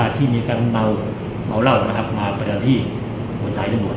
ต้องเอาเหล้ามาประดาษที่ขวัญชายทั้งหมด